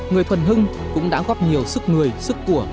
người thuần hưng cũng đã góp nhiều sức người sức của